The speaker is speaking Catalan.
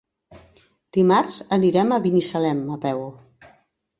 Dimarts anirem a Binissalem a peu.